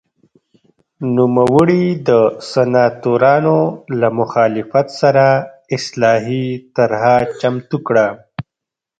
نوموړي د سناتورانو له مخالفت سره اصلاحي طرحه چمتو کړه